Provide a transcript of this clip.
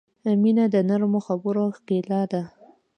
• مینه د نرمو خبرو ښکلا ده.